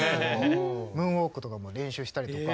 ムーンウォークとかも練習したりとか。